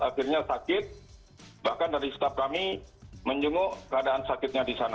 akhirnya sakit bahkan dari staff kami menjenguk keadaan sakitnya di sana